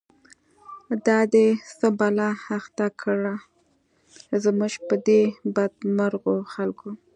دا دی څه بلا اخته کړه، زمونږ په دی بد مرغوخلکو